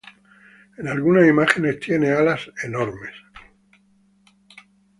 En algunas imágenes tiene alas enormes.